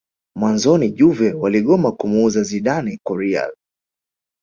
Mwanzoni juve waligoma kumuuza Zidane kwa real